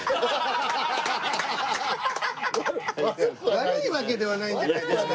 悪いわけではないんじゃないですか？